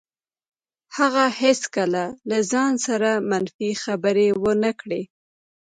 هغه هېڅکله له ځان سره منفي خبرې ونه کړې.